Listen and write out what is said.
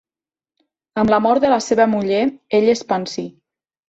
Amb la mort de la seva muller ell es pansí.